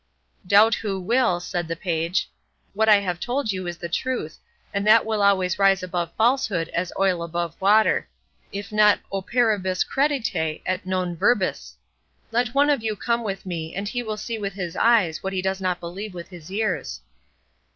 "Doubt who will," said the page; "what I have told you is the truth, and that will always rise above falsehood as oil above water; if not operibus credite, et non verbis. Let one of you come with me, and he will see with his eyes what he does not believe with his ears."